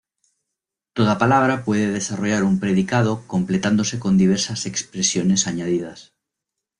Toda palabra puede desarrollar un predicado completándose con diversas expresiones añadidas.